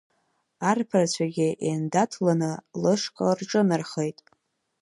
Арԥарцәагьы еиндаҭланы лышҟа рҿынархеит.